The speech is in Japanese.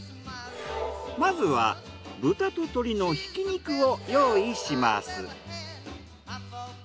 まずは豚と鶏のひき肉を用意します。